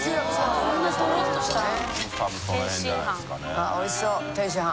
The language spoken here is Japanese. あっおいしそう天津飯。